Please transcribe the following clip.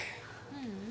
ううん。